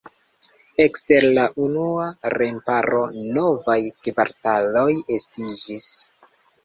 Ekster la unua remparo novaj kvartaloj estiĝis.